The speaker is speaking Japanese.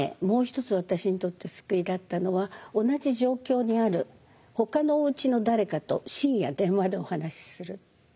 もう一つ私にとって救いだったのは同じ状況にあるほかのおうちの誰かと深夜電話でお話しする。